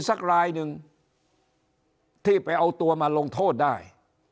สักรายหนึ่งที่ไปเอาตัวมาลงโทษได้